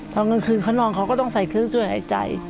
ตอนกลางคืนเขานอนเขาก็ต้องใส่เครื่องช่วยหายใจ